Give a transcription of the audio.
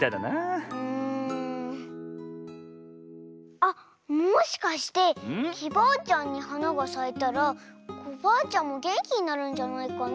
あっもしかしてきバアちゃんにはながさいたらコバアちゃんもげんきになるんじゃないかな？